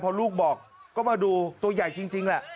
พอลูกบอกก็มาดูตัวใหญ่จริงแหละ